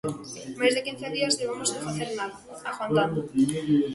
Máis de quince días levamos sen facer nada, aguantando.